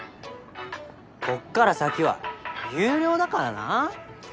こっから先は有料だからな。